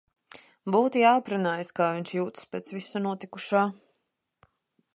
Būtu jāaprunājas, kā viņš jūtas pēc visa notikušā.